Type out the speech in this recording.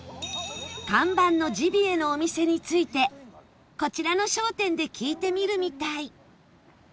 看板のジビエのお店についてこちらの商店で聞いてみるみたい